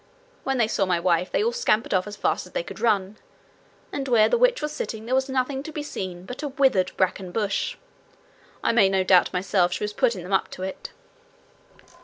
When they saw my wife they all scampered off as fast as they could run, and where the witch was sitting there was nothing to be seen but a withered bracken bush. I made no doubt myself she was putting them up to it.'